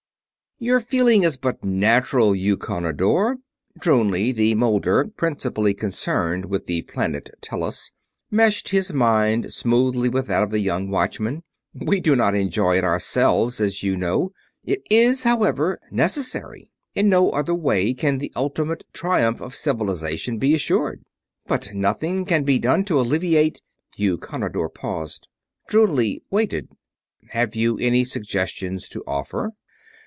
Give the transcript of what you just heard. "Your feeling is but natural, Eukonidor." Drounli, the Moulder principally concerned with the planet Tellus, meshed his mind smoothly with that of the young Watchman. "We do not enjoy it ourselves, as you know. It is, however, necessary. In no other way can the ultimate triumph of Civilization be assured." "But can nothing be done to alleviate...?" Eukonidor paused. Drounli waited. "Have you any suggestions to offer?"